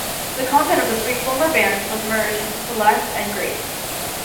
The content of the three former brands was merged into Select and Greats.